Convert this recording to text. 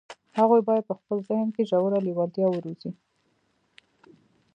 هغوی بايد په خپل ذهن کې ژوره لېوالتیا وروزي.